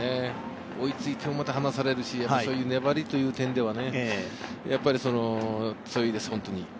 追いついてもまた離されるし、そういう粘りという点ではね、強いです、本当に。